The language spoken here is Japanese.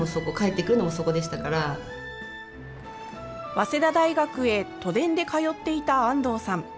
早稲田大学へ都電で通っていた安藤さん。